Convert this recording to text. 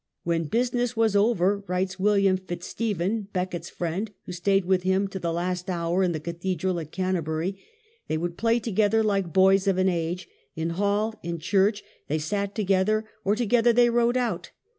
" When business was over," writes William Fitz Stephen, Becket's friend who stayed with him to the last hour in the cathedral at Can terbury, "they would play together like boys of an age; in hal^ in church, they sat together, or together they rode out.